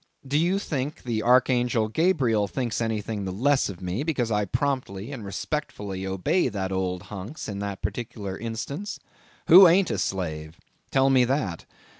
Do you think the archangel Gabriel thinks anything the less of me, because I promptly and respectfully obey that old hunks in that particular instance? Who ain't a slave? Tell me that.